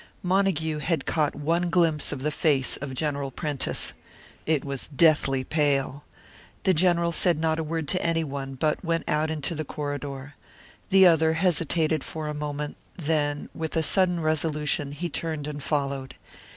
Montague had caught one glimpse of the face of General Prentice. It was deathly pale. The General said not a word to anyone, but went out into the corridor. The other hesitated for a moment, then, with a sudden resolution, he turned and followed.